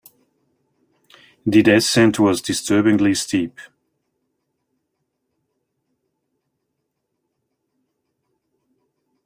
The descent was disturbingly steep.